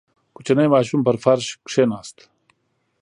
• کوچنی ماشوم پر فرش کښېناست.